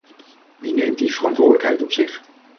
Wie neemt die verantwoordelijkheid op zich?